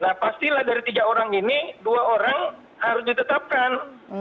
nah pastilah dari tiga orang ini dua orang harus ditetapkan